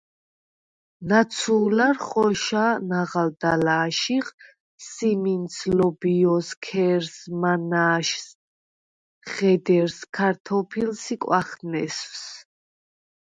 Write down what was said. ნაცუ̄ლარ ხოშა ნაღალდ ალა̄შიხ: სიმინდს, ლობჲოს, ქერს, მანა̄შს, ღედერს, ქართობილს ი კვახნესვს.